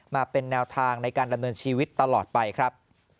มาเป็นแนวทางในการดำเนินชีวิตตลอดไปครับ